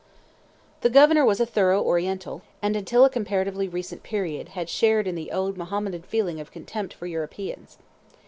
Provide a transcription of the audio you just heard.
The Governor was a thorough Oriental, and until a comparatively recent period had shared in the old Mahometan feeling of contempt for Europeans.